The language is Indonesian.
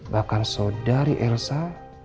bahkan saudari elsa